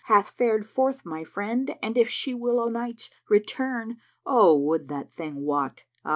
Hath farčd forth my friend * And if she will o' nights return Oh would that thing wot I!